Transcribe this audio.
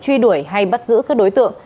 truy đuổi hay bắt giữ các đối tượng